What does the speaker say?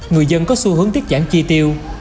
nhưng có xu hướng tiết giảm chi tiêu